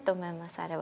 あれは。